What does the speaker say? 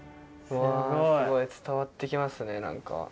すごい伝わってきますね何か。